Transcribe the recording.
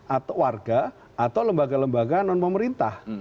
atau warga atau lembaga lembaga non pemerintah